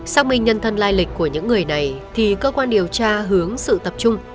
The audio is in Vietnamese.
xác minh nhân thân lai lịch của những người này thì cơ quan điều tra hướng sự tập trung